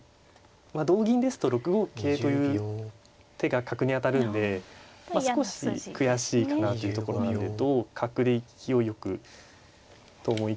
同銀ですと６五桂という手が角に当たるんで少し悔しいかなというところなので同角で勢いよくと思いきやでしたね。